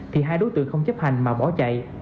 thì hai đối tượng không chấp hành mà bỏ chạy